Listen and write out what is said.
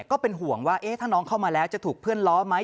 ก็เป็นห่วงว่าถ้าน้องเข้ามาแล้วจะถูกเพื่อนล้อไหม